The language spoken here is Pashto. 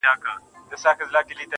هغه خو زما کره په شپه راغلې نه ده.